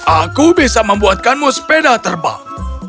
aku bisa membuatkanmu sepeda terbang